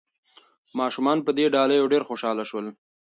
ماشومان په دې ډالیو ډېر خوشاله شول.